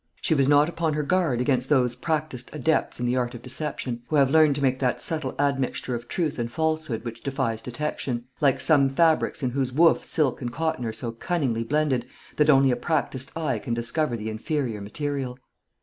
She was not upon her guard against those practised adepts in the art of deception, who have learnt to make that subtle admixture of truth and falsehood which defies detection; like some fabrics in whose woof silk and cotton are so cunningly blended that only a practised eye can discover the inferior material.